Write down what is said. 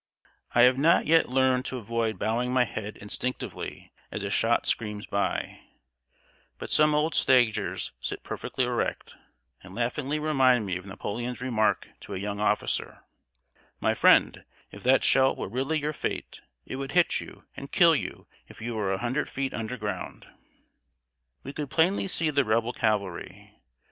I have not yet learned to avoid bowing my head instinctively as a shot screams by; but some old stagers sit perfectly erect, and laughingly remind me of Napoleon's remark to a young officer: "My friend, if that shell were really your fate, it would hit you and kill you if you were a hundred feet underground." We could plainly see the Rebel cavalry.